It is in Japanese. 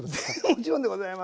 もちろんでございます。